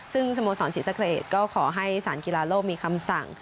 ซึ่งสโมสรศรีสะเกดก็ขอให้สารกีฬาโลกมีคำสั่ง